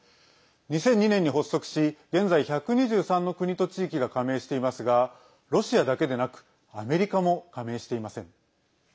２００２年に発足し現在、１２３の国と地域が加盟していますがロシアだけでなくアメリカも加盟していません。